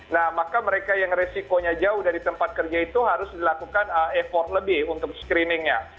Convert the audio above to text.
nah maka mereka yang resikonya jauh dari tempat kerja itu harus dilakukan effort lebih untuk screeningnya